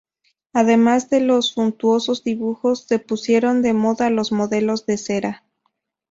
Además de los suntuosos dibujos, se pusieron de moda los modelos de cera.